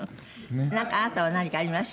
なんかあなたは何かあります？